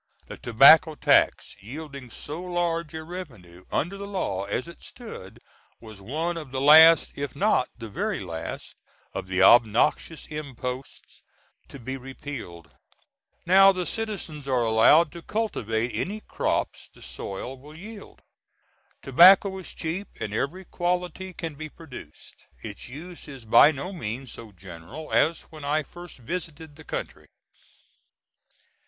The tobacco tax, yielding so large a revenue under the law as it stood, was one of the last, if not the very last, of the obnoxious imposts to be repealed. Now, the citizens are allowed to cultivate any crops the soil will yield. Tobacco is cheap, and every quality can be produced. Its use is by no means so general as when I first visited the country.